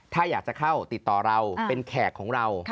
ถ้าอยากจะเข้าติดต่อเราเป็นแขกของเรา